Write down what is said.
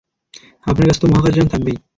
আপনার কাছে তো মহাকাশযান থাকবেই।